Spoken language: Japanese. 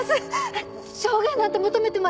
証言なんて求めてません